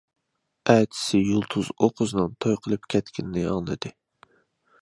ئەتىسى يۇلتۇز ئۇ قىزنىڭ توي قىلىپ كەتكىنىنى ئاڭلىدى.